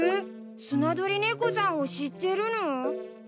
スナドリネコさんを知ってるの？